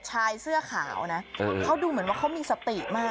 ชายเสื้อขาวนะเขาดูเหมือนว่าเขามีสติมาก